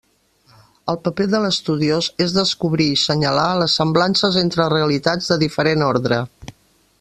El paper de l'estudiós és descobrir i senyalar les semblances entre realitats de diferent ordre.